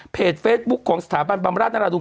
เพจเฟซบุ๊คของสถาบันบำราชนราดูล